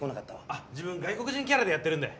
あっ自分外国人キャラでやってるんで。